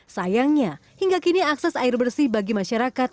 sayangnya hingga kini akses air bersih bagi masyarakat